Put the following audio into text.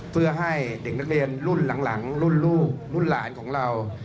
เพื่อให้เด็กนักเรียนรุ่นหลังรุ่นลูกรุ่นหลานของเรา